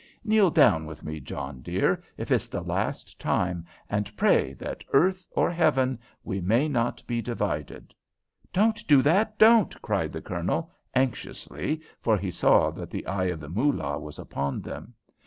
"Kneel down with me, John, dear, if it's the last time, and pray that, earth or heaven, we may not be divided." "Don't do that! Don't!" cried the Colonel, anxiously, for he saw that the eye of the Moolah was upon them.